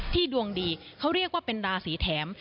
ดวงดีเขาเรียกว่าเป็นราศีแถม